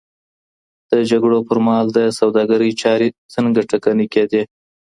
د جګړو پر مهال د سوداګرۍ چارې څنګه ټکنۍ کېدې؟